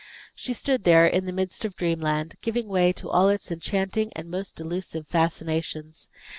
She stood there in the midst of dreamland, giving way to all its enchanting and most delusive fascinations.